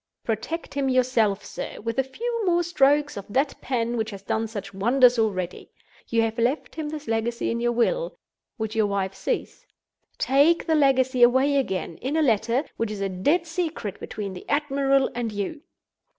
Protect him yourself, sir, with a few more strokes of that pen which has done such wonders already. You have left him this legacy in your will—which your wife sees. Take the legacy away again, in a letter—which is a dead secret between the admiral and you.